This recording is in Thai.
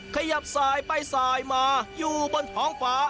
ขยับสายไปสายมาอยู่บนท้องฟ้า